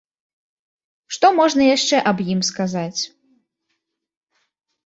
Што можна яшчэ аб ім сказаць?